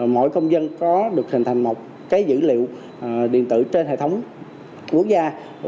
mỗi công dân có được hình thành một dữ liệu điện tử trên hệ thống quốc gia